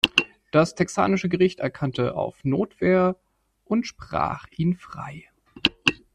Das texanische Gericht erkannte auf Notwehr und sprach ihn frei.